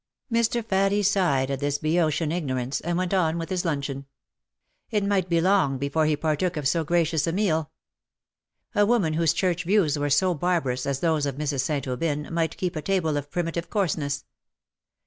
Mr. Faddie sighed at this Boeotian ignorance, and went on with his luncheon. It might be long before he partook of so gracious a meal. A woman whose Church views were so barbarous as those of Mrs. St. Aubyn, might keep a table of primitive coarseness.